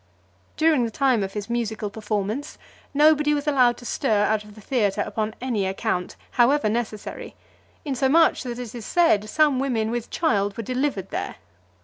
During the time of his musical performance, nobody was allowed to stir out of the theatre upon any account, however necessary; insomuch, that it is said some women with child were delivered there.